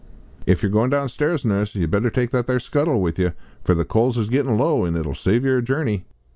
"If yer goin' downstairs, Nuss, you'd better take that there scuttle with yer, for the coals is gittin' low an' it ull save yer a journey!"